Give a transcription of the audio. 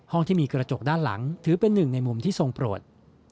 ที่มีกระจกด้านหลังถือเป็นหนึ่งในมุมที่ทรงโปรด